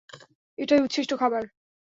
এটাই উচ্ছিষ্ট খাবার।